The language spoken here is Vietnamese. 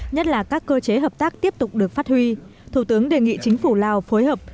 nhất là các cơ chế hợp tác tiếp tục được phát huy thủ tướng đề nghị chính phủ lào phối hợp